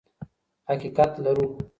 حقیقت لرو.